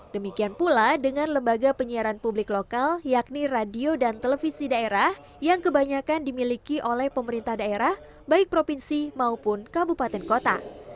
demikian pula dengan lembaga penyiaran publik lokal yakni radio dan televisi daerah yang kebanyakan dimiliki oleh pemerintah daerah baik provinsi maupun kabupaten kota